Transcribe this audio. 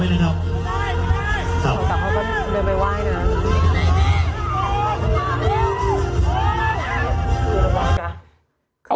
แต่เขาก็เดินไปไหว้นะ